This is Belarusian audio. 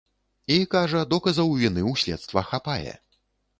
І, кажа, доказаў віны ў следства хапае.